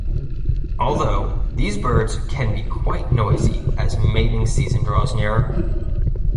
Although, these birds can be quite noisy as mating season draws nearer.